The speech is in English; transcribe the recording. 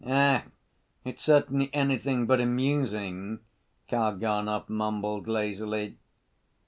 "Ach, it's certainly anything but amusing!" Kalganov mumbled lazily.